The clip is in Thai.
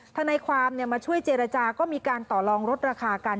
ทนายความมาช่วยเจรจาก็มีการต่อลองลดราคากัน